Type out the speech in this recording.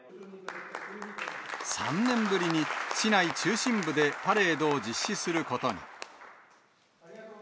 ３年ぶりに市内中心部でパレードを実施することに。